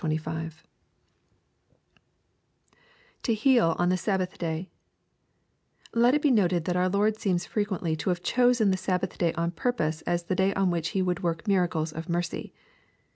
[To heal on the Sabbath day,] — ^Let it be noted that our Lord seems frequently to have chosen the Sabbath day on purpose, as the day on which He would work miracles of mercy.